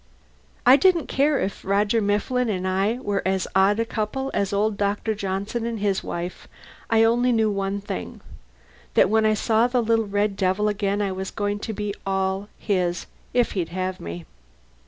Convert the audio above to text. I didn't care if Roger Mifflin and I were as odd a couple as old Dr. Johnson and his wife, I only knew one thing: that when I saw that little red devil again I was going to be all his if he'd have me.